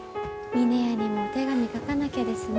峰屋にもお手紙書かなきゃですね。